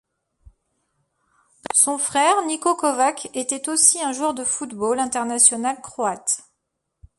Son frère, Niko Kovač, était aussi un joueur de football international croate.